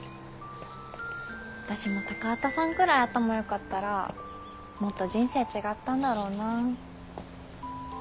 私も高畑さんくらい頭よかったらもっと人生違ったんだろうな。